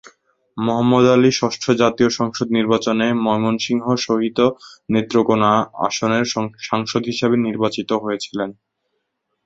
মোহাম্মদ আলী ষষ্ঠ জাতীয় সংসদ নির্বাচনে ময়মনসিংহ সহিত নেত্রকোণা আসনের সাংসদ হিসেবে নির্বাচিত হয়েছিলেন।